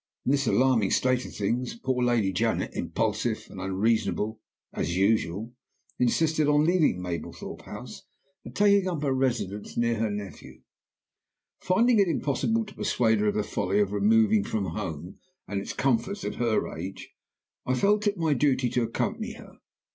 "In this alarming state of things poor Lady Janet, impulsive and unreasonable as usual, insisted on leaving Mablethorpe House and taking up her residence near her nephew. "Finding it impossible to persuade her of the folly of removing from home and its comforts at her age, I felt it my duty to accompany her.